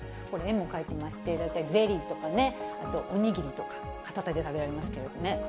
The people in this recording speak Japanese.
これ、絵も描いてありまして、大体ゼリーとかね、あとお握りとか、片手で食べれますけどね。